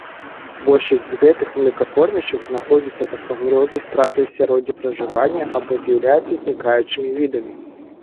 Большасць з гэтых млекакормячых знаходзяцца пад пагрозай страты асяроддзя пражывання або з'яўляюцца знікаючымі відамі.